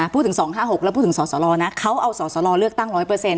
พูดถึงสองห้าหกแล้วพูดถึงสอสลอนะเขาเอาสอสลอเลือกตั้งร้อยเปอร์เซ็นต์